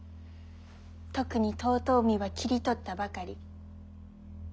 特に遠江は切り取ったばかり。